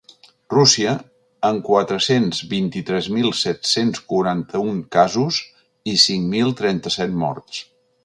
Rússia, amb quatre-cents vint-i-tres mil set-cents quaranta-un casos i cinc mil trenta-set morts.